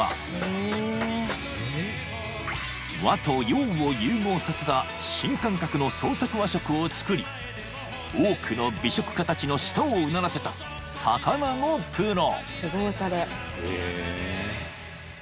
［和と洋を融合させた新感覚の創作和食を作り多くの美食家たちの舌をうならせた魚のプロ］